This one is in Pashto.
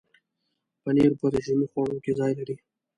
پنېر په رژیمي خواړو کې ځای لري.